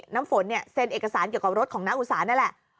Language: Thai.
น้ำฝนเนี่ยเซ็นเอกสารเกี่ยวกับรถของน้าอุสานั่นแหละ